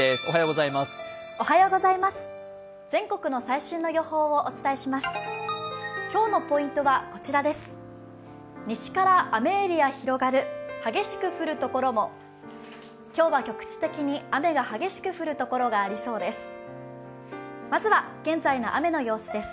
今日は局地的に雨が激しく降るところがありそうです。